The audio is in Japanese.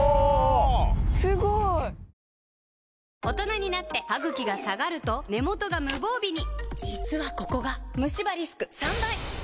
大人になってハグキが下がると根元が無防備に実はここがムシ歯リスク３倍！